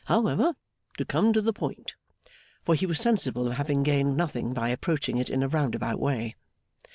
However, to come to the point.' For he was sensible of having gained nothing by approaching it in a roundabout way.